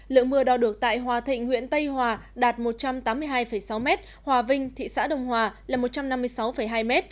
lượng mưa đo được tại hòa thịnh huyện tây hòa đạt một trăm tám mươi hai sáu m hòa vinh thị xã đồng hòa là một trăm năm mươi sáu hai m